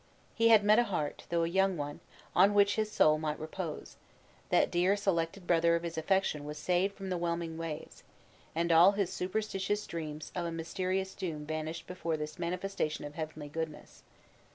He had met a heart, though a young one, on which his soul might repose; that dear selected brother of his affection was saved from the whelming waves; and all his superstitious dreams of a mysterious doom vanished before this manifestation of heavenly goodness.